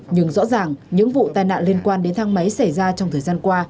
nhưng rõ ràng những vụ tai nạn liên quan đến thang máy xảy ra trong thời gian qua